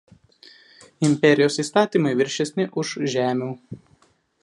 Imperijos įstatymai viršesni už žemių.